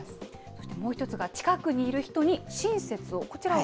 そしてもう１つが、近くにいる人に親切を。